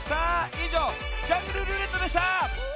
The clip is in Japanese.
いじょう「ジャングルるーれっと」でした！